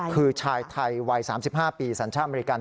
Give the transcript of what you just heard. คือชายไทยวัย๓๕ปีสัญชาติอเมริกัน